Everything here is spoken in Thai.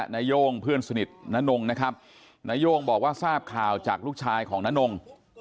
นาย่งเพื่อนสนิทน้านงนะครับนาย่งบอกว่าทราบข่าวจากลูกชายของน้านง